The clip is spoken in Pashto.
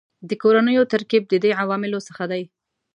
د کورنیو ترکیب د دې عواملو څخه دی